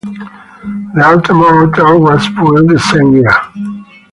The Altamont Hotel was built the same year.